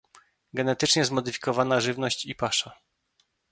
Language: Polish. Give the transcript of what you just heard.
Genetycznie zmodyfikowana żywność i pasza